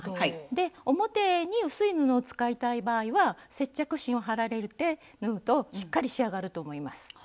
で表に薄い布を使いたい場合は接着芯を貼られて縫うとしっかり仕上がると思います。